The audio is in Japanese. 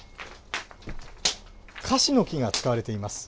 かしの木が使われています。